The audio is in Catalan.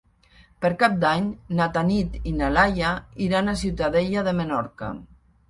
Per Cap d'Any na Tanit i na Laia iran a Ciutadella de Menorca.